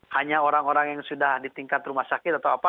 hanya orang orang yang sudah di tingkat rumah sakit atau apa